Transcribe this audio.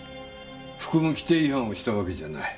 服務規定違反をしたわけじゃない。